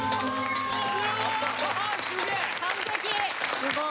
すごい！